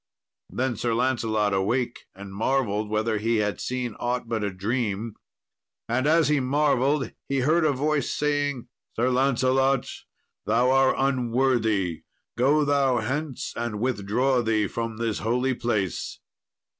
Then Sir Lancelot awake, and marvelled whether he had seen aught but a dream. And as he marvelled, he heard a voice saying, "Sir Lancelot, thou are unworthy, go thou hence, and withdraw thee from this holy place."